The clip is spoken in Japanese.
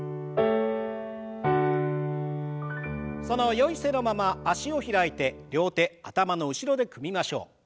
そのよい姿勢のまま脚を開いて両手頭の後ろで組みましょう。